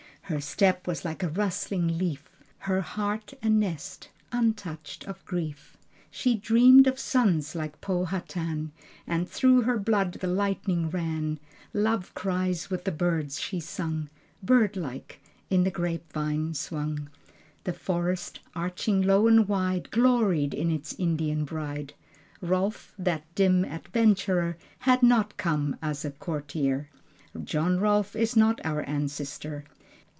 Her step was like a rustling leaf: Her heart a nest, untouched of grief. She dreamed of sons like Powhatan, And through her blood the lightning ran. Love cries with the birds she sung, Birdlike In the grape vine swung. The Forest, arching low and wide Gloried in its Indian bride. Rolfe, that dim adventurer Had not come a courtier. John Rolfe is not our ancestor.